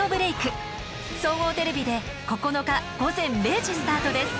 総合テレビで９日午前０時スタートです。